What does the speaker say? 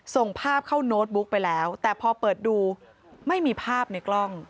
ส่งภาพเข้าโน้ตบุ๊กไปแล้วแต่พอเปิดดูไม่มีภาพในกล้อง